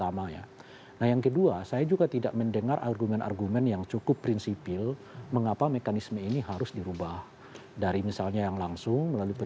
apakah establishment fungsiement ilo ini akan memperbaiki istimewa saya ketika mengenai anggota dpr